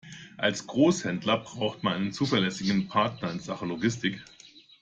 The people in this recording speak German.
Als Großhändler braucht man einen zuverlässigen Partner in Sachen Logistik.